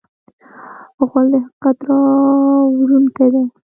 غول د حقیقت راوړونکی دی.